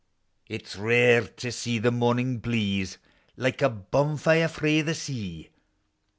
It's rare to see the morning bleeze Like a bonfire frae the sea.